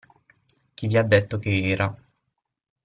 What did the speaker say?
Chi vi ha detto che era.